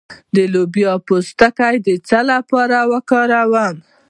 د لوبیا پوستکی د څه لپاره وکاروم؟